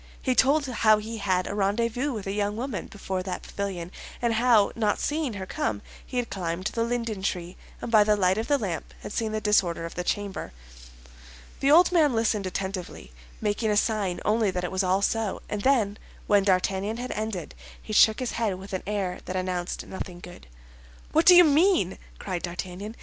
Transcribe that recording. He told how he had a rendezvous with a young woman before that pavilion, and how, not seeing her come, he had climbed the linden tree, and by the light of the lamp had seen the disorder of the chamber. The old man listened attentively, making a sign only that it was all so; and then, when D'Artagnan had ended, he shook his head with an air that announced nothing good. "What do you mean?" cried D'Artagnan.